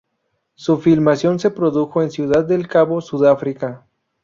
Su filmación se produjo en Ciudad del Cabo, Sudáfrica.